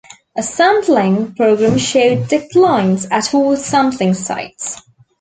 A sampling program showed declines at all sampling sites.